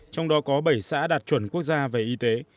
trong đó có bảy xã đạt chuẩn quốc gia về y tế